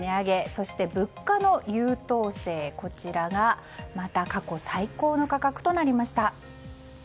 そして、物価の優等生が過去最高の価格となりました。